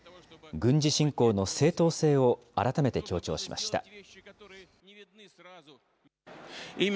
軍事侵攻の正当性を改めて強調しました。